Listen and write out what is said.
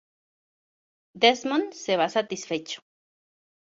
Desmond se va satisfecho.